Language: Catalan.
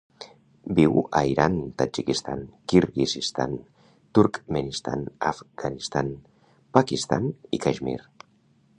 Viu a Iran, Tadjikistan, Kirguizistan, Turkmenistan, Afganistan, Pakistan i Caixmir.